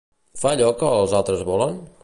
Fa allò que els altres volen?